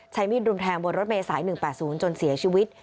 ใช้มีดรุมแทงบนรถเมษาย๑๘๐จนเสียชีวิต